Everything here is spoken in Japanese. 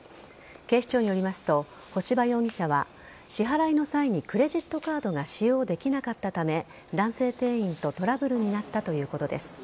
警視庁によりますと干場容疑者は支払いの際にクレジットカードが使用できなかったため男性店員とトラブルになったということです。